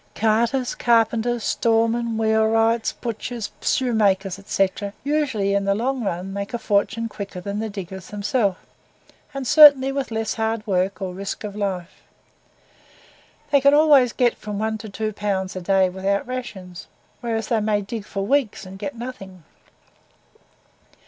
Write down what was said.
Carters, carpenters, storemen, wheelwrights, butchers, shoemakers, &c., usually in the long run make a fortune quicker than the diggers themselves, and certainly with less hard work or risk of life. They can always get from one to two pounds a day without rations, whereas they may dig for weeks and get nothing.